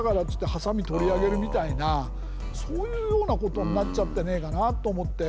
はさみ取り上げるみたいなそういうようなことになっちゃってねえかなと思って。